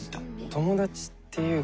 友達っていうか。